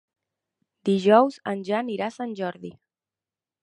Dijous en Jan irà a Sant Jordi.